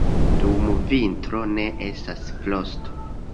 Dum vintro ne estas frosto.